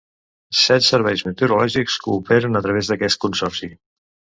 Set serveis meteorològics cooperen a través d'aquest consorci.